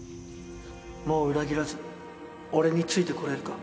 もう裏切らず俺についてこれるか？